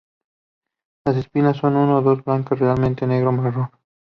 Las espinas son uno o dos, blancas raramente negro-marrón.